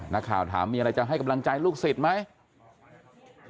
นักข่าวถามมีอะไรจะให้กำลังใจลูกศิษย์ไหม